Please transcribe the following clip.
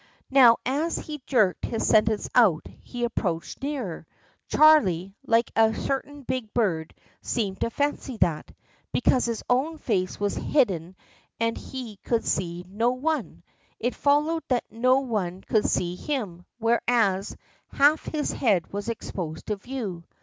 Now, as he jerked his sentence out, he approached nearer. Charley, like a certain big bird, seemed to fancy that, because his own face was hidden and he could see no one, it followed that no one could see him; whereas, half his head was exposed to view.